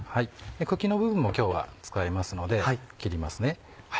茎の部分も今日は使いますので切りますね。